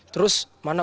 terus mana kondisinya